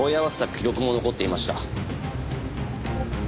記録も残っていました。